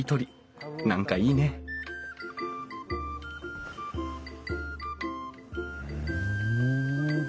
何かいいねふん。